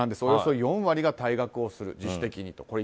およそ４割が退学をする、自主的にと。